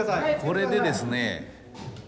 これでですね。